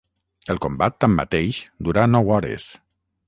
El combat, tanmateix, durà nou hores.